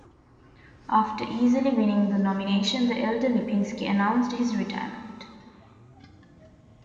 After easily winning the nomination, the elder Lipinski announced his retirement.